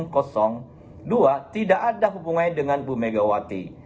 tim hukum dua tidak ada hubungannya dengan ibu megawati